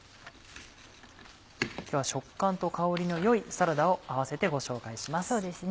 今日は食感と香りの良いサラダを併せてご紹介します。